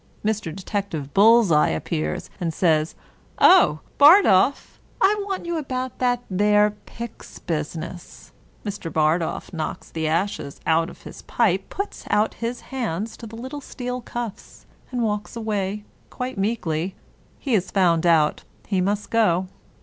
Mr. Detective Bullseye appears, and says, " Oh, Bardolph ! I want you about that there pyx busi ness !" Mr. Bardolph knocks the ashes out of his pipe, puts out his hands to the little steel cuffa, and walks away quite meekly. He is found out. He must go.